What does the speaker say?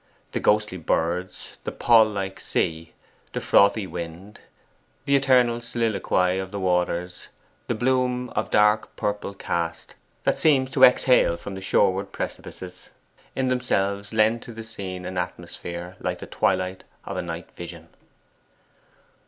The ghostly birds, the pall like sea, the frothy wind, the eternal soliloquy of the waters, the bloom of dark purple cast, that seems to exhale from the shoreward precipices, in themselves lend to the scene an atmosphere like the twilight of a night vision.